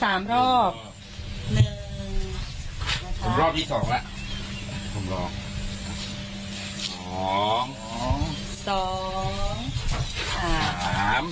ผมรอบที่๒แล้ว